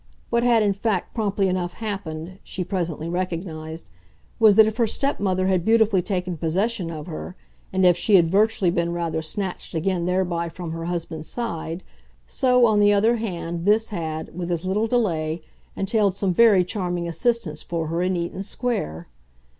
What had in fact promptly enough happened, she presently recognised, was that if her stepmother had beautifully taken possession of her, and if she had virtually been rather snatched again thereby from her husband's side, so, on the other hand, this had, with as little delay, entailed some very charming assistance for her in Eaton Square.